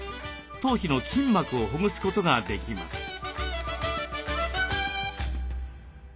頭皮の筋膜をほぐすことができます。